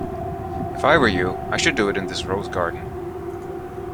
If I were you, I should do it in this rose garden.